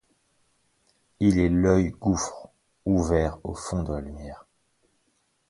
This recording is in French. Il est l’œil gouffre, ouvert au fond de la lumière